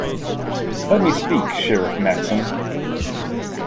Let me speak, Sheriff Matson!